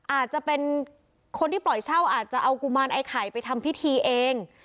อาจจะเป็นคนที่ปล่อยเช่าอาจจะเอากุมารไอ้ไข่ไปทำพิธีเอง